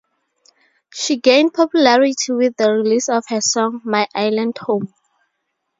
She gained popularity with the release of her song "My Island Home".